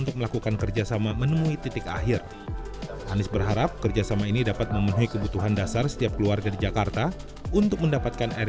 tidak jadi kampung tidak jadi kota